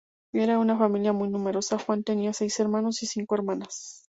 Era una familia muy numerosa: Juan tenía seis hermanos y cinco hermanas.